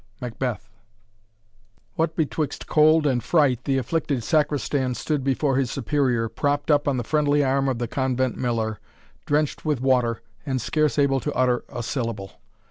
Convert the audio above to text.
MACBETH. What betwixt cold and fright the afflicted Sacristan stood before his Superior, propped on the friendly arm of the convent miller, drenched with water, and scarce able to utter a syllable.